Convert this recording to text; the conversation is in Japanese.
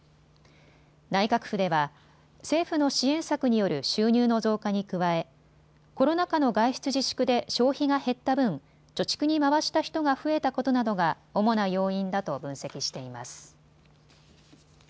内閣府では、政府の支援策による収入の増加に加えコロナ禍の外出自粛で消費が減った分、貯蓄に回した人が増えたことなどが主な要因だと分析しています。